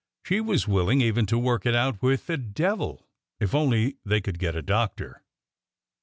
She was willing even to work it out with the devil if only they could get a doctor.